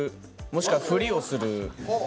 もしくは、ふりをする。